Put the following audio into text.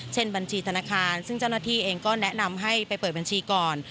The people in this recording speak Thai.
บัญชีธนาคารซึ่งเจ้าหน้าที่เองก็แนะนำให้ไปเปิดบัญชีก่อน